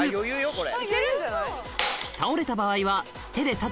これ。